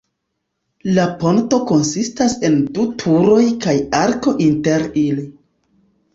La ponto konsistas en du turoj kaj arko inter ili.